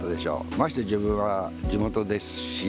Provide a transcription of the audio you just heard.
まして自分は地元ですし。